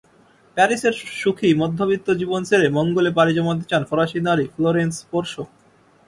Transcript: প্যারিসের সুখী মধ্যবিত্ত জীবন ছেড়ে মঙ্গলে পাড়ি জমাতে চান ফরাসি নারী ফ্লোরন্স পোর্সো।